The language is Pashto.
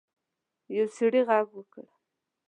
یو سړي غږ وکړ.